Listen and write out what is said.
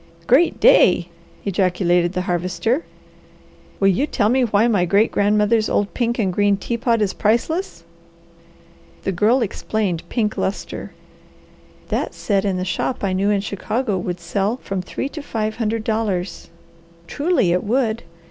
"Great day!" ejaculated the Harvester. "Will you tell me why my great grandmother's old pink and green teapot is priceless?" The Girl explained pink lustre. "That set in the shop I knew in Chicago would sell for from three to five hundred dollars. Truly it would!